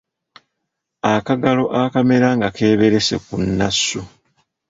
Akagalo akamera nga keeberese ku nnassu.